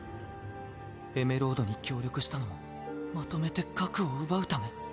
エメロードに協力したのもまとめて核を奪うため？